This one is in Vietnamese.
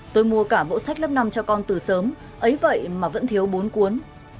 tôi mua cả bộ sách lớp năm cho con từ sớm ấy vậy mà vẫn thiếu bốn cuốn